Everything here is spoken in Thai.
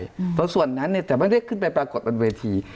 เพราะส่วนนั้นเนี่ยแต่ไม่ได้ขึ้นไปปรากฏบนเวที